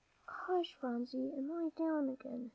"Hush, Phronsie, and lie down again.